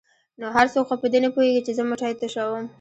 ـ نو هر څوک خو په دې نه پوهېږي چې زه مټۍ تشوم.